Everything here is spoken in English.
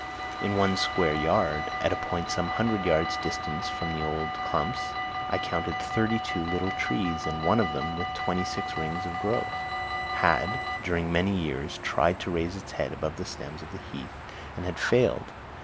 In one square yard, at a point some hundred yards distant from one of the old clumps, I counted thirty two little trees; and one of them, with twenty six rings of growth, had, during many years tried to raise its head above the stems of the heath, and had failed.